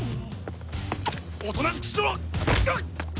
おとなしくしろ！